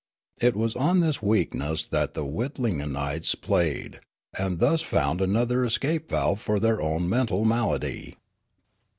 It was on this weakness that the Witlingenites played, and thus found another escape valve for their own mental malady.